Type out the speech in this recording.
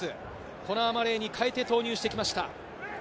コナー・マレーに代えて投入してきました。